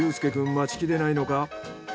待ちきれないのか。